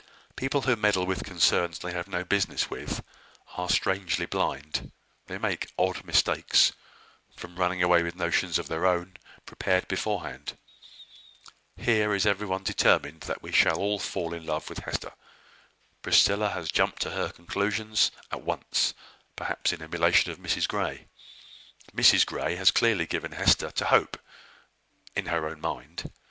People who meddle with concerns they have no business with, are strangely blind, they make odd mistakes, from running away with notions of their own, prepared beforehand. Here is everybody determined that we shall all fall in love with Hester. Priscilla has jumped to her conclusion at once, perhaps in emulation of Mrs Grey. Mrs Grey has clearly given Hester to Hope, in her own mind.